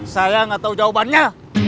saya gak tau jawabannya